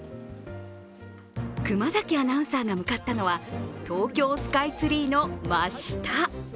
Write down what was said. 熊崎アナウンサーが向かったのは東京スカイツリーの真下。